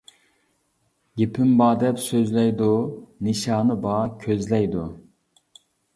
گېپىم بار دەپ سۆزلەيدۇ، نىشانى بار كۆزلەيدۇ.